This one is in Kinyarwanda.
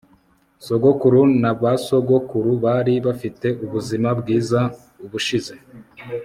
sogokuru na basogokuru bari bafite ubuzima bwiza ubushize